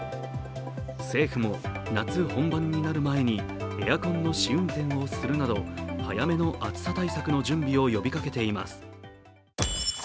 政府も、夏本番になる前にエアコンの試運転をするなど早めの暑さ対策の準備を呼びかけています。